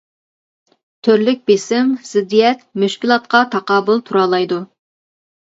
تۈرلۈك بېسىم، زىددىيەت، مۈشكۈلاتقا تاقابىل تۇرالايدۇ.